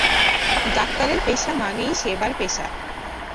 ডাক্তারের পেশা মানেই সেবার পেশা।